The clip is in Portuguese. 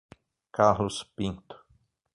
Carlos Pinto